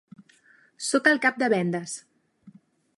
Soc el cap de vendes.